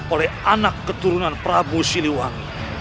oleh anak keturunan prabu siliwan